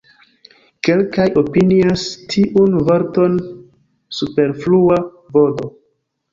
Kelkaj opinias tiun vorton superflua, vd.